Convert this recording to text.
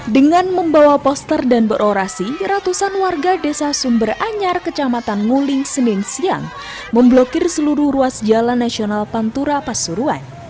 dengan membawa poster dan berorasi ratusan warga desa sumberanyar kecamatan nguling senin siang memblokir seluruh ruas jalan nasional pantura pasuruan